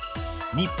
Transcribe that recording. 日本。